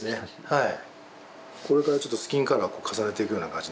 はい。